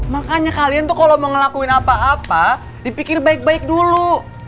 makanya kalian tuh kalau mau ngelakuin apa apa dipikir baik baik dulu